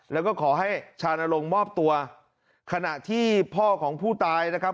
แล้วก็ขอให้ชานลงมอบตัวขณะที่พ่อของผู้ตายนะครับ